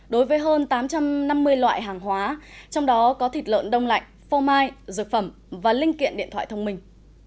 đối với hơn tám trăm năm mươi loại hàng hóa trong đó có thịt lợn đông lạnh phô mai dược phẩm và linh kiện điện thoại thông minh